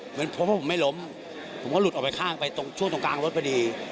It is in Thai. พบว่าผมไม่ล้มผมก็หลุดออกไปข้างไปตรงช่วงตรงกลางรถพอดี